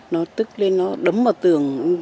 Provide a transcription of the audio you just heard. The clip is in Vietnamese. nó tức lên nó đấm vào tường